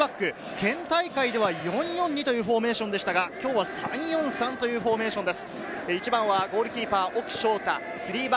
県大会では４−４−２というフォーメーションでしたが、今日は３−４−３というフォーメーションです。